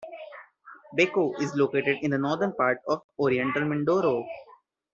Baco is located in the northern part of Oriental Mindoro.